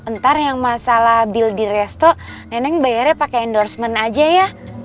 ntar yang masalah bill di resto neneng bayarnya pakai endorsement aja ya